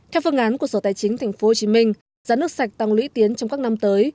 theo phương án của sở tài chính tp hcm giá nước sạch tăng lũy tiến trong các năm tới